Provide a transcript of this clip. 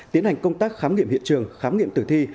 tiến hành công tác khám nghiệm hiện trường khám nghiệm tử thi